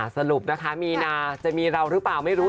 สรุปนะคะมีนาจะมีเราหรือเปล่าไม่รู้